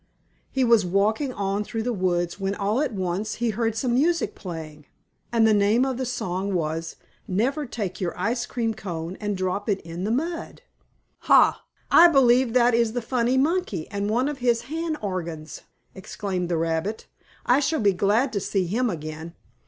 He was walking on through the woods, when, all at once, he heard some music playing, and the name of the song was "Never Take Your Ice Cream Cone and Drop it in the Mud." "Ha! I believe that is the funny monkey and one of his hand organs!" exclaimed the rabbit. "I shall be glad to see him again."